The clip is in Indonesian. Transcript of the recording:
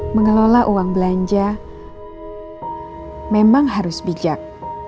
mengelola uang belanja memang harus bijak